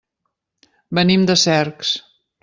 Venim de Cercs.